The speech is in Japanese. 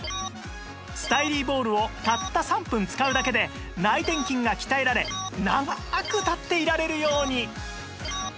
スタイリーボールをたった３分使うだけで内転筋が鍛えられ長く立っていられるように